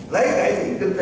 lấy cải thiện kinh tế